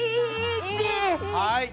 はい。